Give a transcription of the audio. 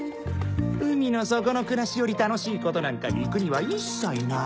海の底の暮らしより楽しいことなんか陸には一切ない。